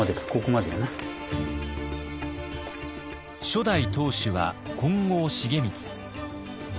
初代当主は金剛重光。